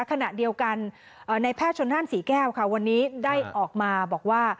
ขณะเดียวกันในแพทย์ชนนั่นศรีแก้วค่ะวันนี้ได้ออกมาบอกว่า